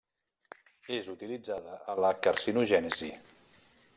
És utilitzada a la carcinogènesi.